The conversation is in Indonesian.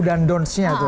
do dan don't nya itu